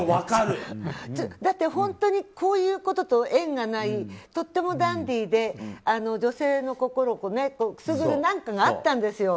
だって本当にこういうことと縁がないとてもダンディーで、女性の心をくすぐる何かがあったんですよ。